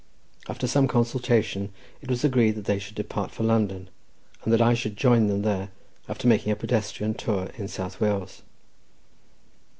After some consultation, it was agreed that they should depart for London, and that I should join them there after making a pedestrian tour in South Wales.